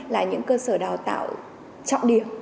là những cơ sở đào tạo trọng điểm